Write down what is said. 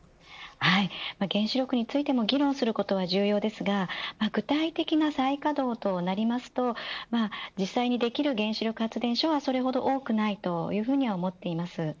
原子力についても議論することは重要ですが具体的な再稼働となると実際にできる原子力発電所はそれほど多くないと思っています。